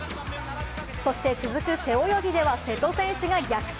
そして続く背泳ぎでは瀬戸選手が逆転。